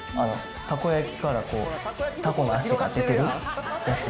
たこ焼きからタコの足が出てるやつ。